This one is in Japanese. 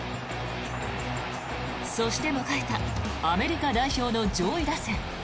そして迎えたアメリカ代表の上位打線。